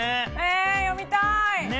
読みたい！